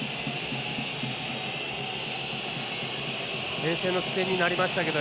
前線の起点になりましたけど